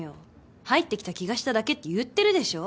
入ってきた気がしただけって言ってるでしょ。